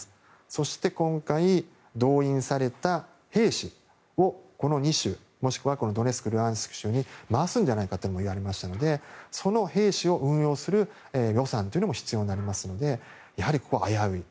そして、今回動員された兵士をこの２州、もしくはドネツク、ルガンスク州に回すんじゃないかともいわれましたのでその兵士を運用する予算というのも必要になりますのでやはり、ここは危うい。